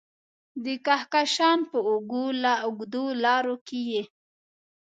د کهکشان په اوږدو لارو کې یې